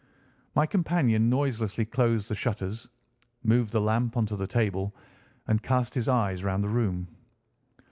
My companion noiselessly closed the shutters, moved the lamp onto the table, and cast his eyes round the room.